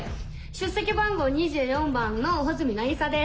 出席番号２４番の穂積渚です。